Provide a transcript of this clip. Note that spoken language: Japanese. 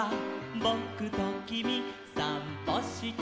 「ぼくときみさんぽして」